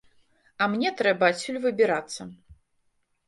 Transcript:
А мне трэба адсюль выбірацца.